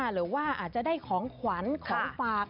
หรือว่าอาจจะได้ของขวัญของฝาก